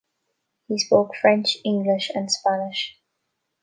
He spoke French, English, and Spanish.